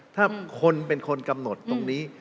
ถ้าคนเป็นคนกำหนดตรงนี้